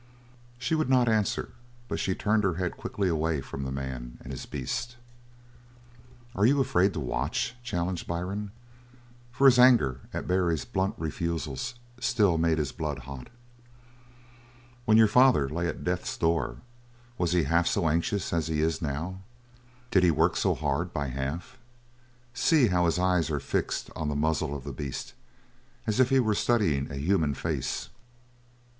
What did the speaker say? She would not answer, but she turned her head quickly away from the man and his beast. "Are you afraid to watch?" challenged Byrne, for his anger at Barry's blunt refusals still made his blood hot. "When your father lay at death's door was he half so anxious as he is now? Did he work so hard, by half? See how his eyes are fixed on the muzzle of the beast as if he were studying a human face!"